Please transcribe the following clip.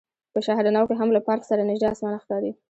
په شهر نو کې هم له پارک سره نژدې اسمان ښکاري.